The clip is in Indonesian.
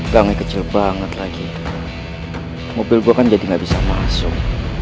gak ngekecil banget lagi mobil gua kan jadi gak bisa masuk